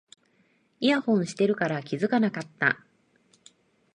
イヤホンしてるから気がつかなかった